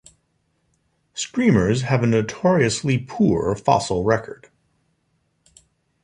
Screamers have a notoriously poor fossil record.